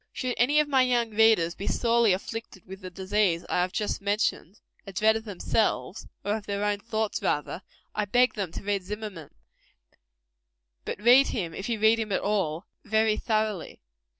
Should any of my young readers be sorely afflicted with the disease I have just mentioned a dread of themselves, or of their own thoughts, rather I beg them to read Zimmerman. But read him, if you read him at all, very thoroughly.